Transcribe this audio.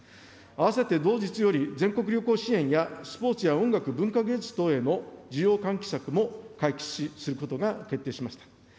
併せて、同日より全国旅行支援や、スポーツや音楽、文化芸術等への需要喚起策も開始することが決定しました。